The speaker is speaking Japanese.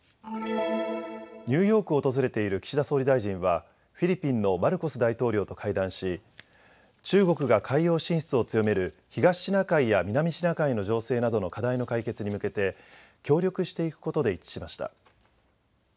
ニューヨークを訪れている岸田総理大臣はフィリピンのマルコス大統領と会談し中国が海洋進出を強める東シナ海や南シナ海の情勢などの課題の解決に向けて協力していくことで一致しました。